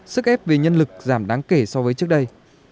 sức ép về nhân lực giảm đáng kể so với trước đây